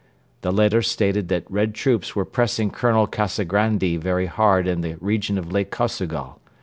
The letter stated that Red Troops were pressing Colonel Kazagrandi very hard in the region of Lake Kosogol.